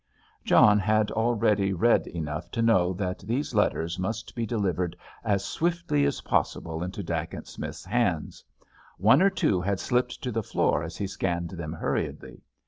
John had already read enough to know that these letters must be delivered as swiftly as possible into Dacent Smith's hands. One or two had slipped to the floor as he scanned them hurriedly.